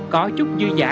có chút dư dã